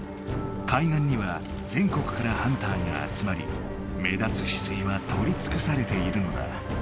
海岸には全国からハンターが集まり目立つヒスイは採りつくされているのだ。